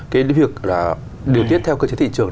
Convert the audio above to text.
cái việc điều tiết theo cơ chế thị trường